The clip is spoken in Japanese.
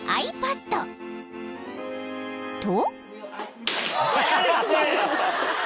［と］